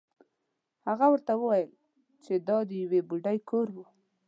هغه ورته وویل چې دا د یوې بوډۍ کور و.